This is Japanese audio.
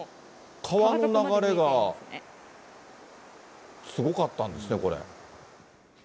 川の流れがすごかったんですね、これ。